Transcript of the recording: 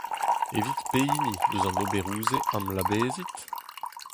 Evit pehini eus an oberoù-se am labezit ?